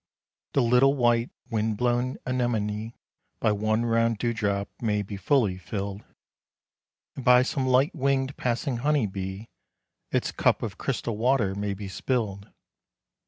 The little white, wind blown anemone By one round dewdrop may be fully filled, And by some light winged, passing honey bee Its cup of crystal water may be spilled.